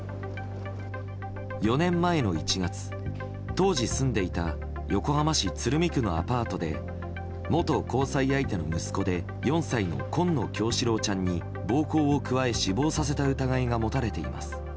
４年前の１月、当時住んでいた横浜市鶴見区のアパートで元交際相手の息子で４歳の紺野叶志郎ちゃんに暴行を加え死亡させた疑いが持たれています。